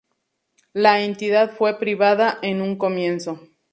La entidad fue privada en un comienzo.